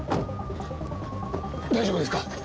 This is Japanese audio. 大丈夫ですか？